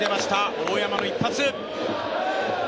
大山の一発。